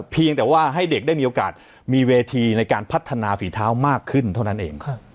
เพียงแต่ว่าให้เด็กได้มีโอกาสมีเวทีในการพัฒนาฝีเท้ามากขึ้นเท่านั้นเอง